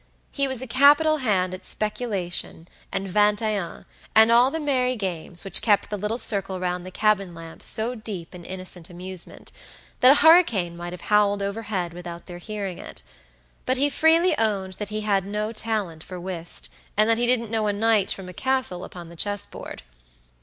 He was a capital hand at speculation and vingt et un, and all the merry games, which kept the little circle round the cabin lamp so deep in innocent amusement, that a hurricane might have howled overhead without their hearing it; but he freely owned that he had no talent for whist, and that he didn't know a knight from a castle upon the chess board.